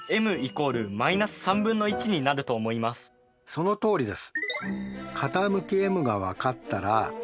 そのとおりです。